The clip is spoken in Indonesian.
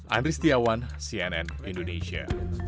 andri setiawan cnn indonesia